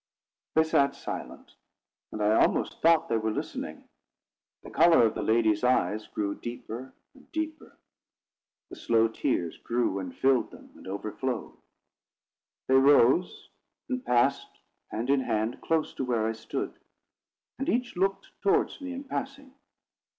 They sat silent, and I almost thought they were listening. The colour of the lady's eyes grew deeper and deeper; the slow tears grew, and filled them, and overflowed. They rose, and passed, hand in hand, close to where I stood; and each looked towards me in passing.